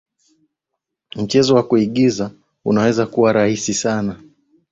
mchezo wa kuigiza unaweza kuwa rahisi sana